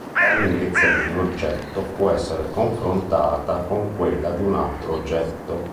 La lunghezza di un oggetto può essere confrontata con quella di un altro oggetto.